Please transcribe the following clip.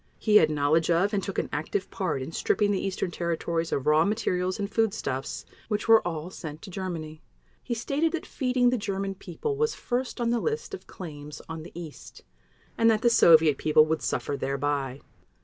He had knowledge of and took an active part in stripping the Eastern Territories of raw materials and foodstuffs, which were all sent to Germany. He stated that feeding the German People was first on the list of claims on the East, and that the Soviet People would suffer thereby.